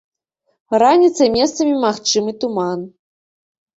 Раніцай месцамі магчымы туман.